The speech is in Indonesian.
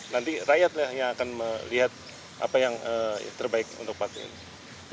nanti rakyat yang akan melihat apa yang terbaik untuk partai ini